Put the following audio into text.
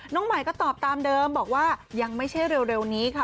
น้องใหม่ก็ตอบตามเดิมบอกว่ายังไม่ใช่เร็วนี้ค่ะ